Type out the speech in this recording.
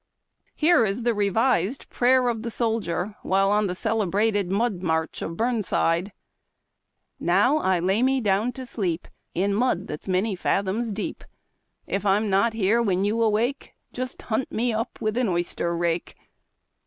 Here is the revised prayer of the sohlier while on the celebrated "Mud March" of Burnside :—" Now I lay me down to sleep 111 mud that's many fathoms deep; If I'm not here when you awake, Just hunt me up with an oyster rake."